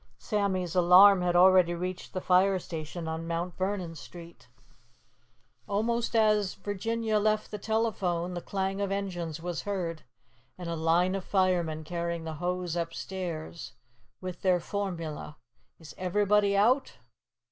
Sammy's alarm had already reached the fire station on Mt. Vernon Street. Almost as Virginia left the telephone, the clang of the engines was heard, and a line of firemen carried the hose upstairs, with their formula, "Is everybody out?"